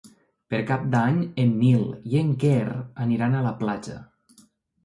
Per Cap d'Any en Nil i en Quer aniran a la platja.